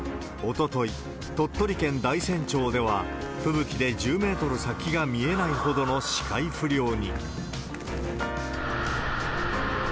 おととい、鳥取県大山町では吹雪で１０メートル先が見えないほどの視界不良に。